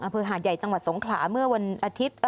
หาดใหญ่จังหวัดสงขลาเมื่อวันอาทิตย์